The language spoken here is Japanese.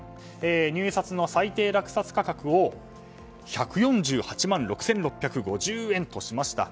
入札の最低落札価格を１４８万６６５０円としました。